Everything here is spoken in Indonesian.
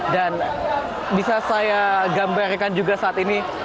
dan bisa saya gambarkan juga saat ini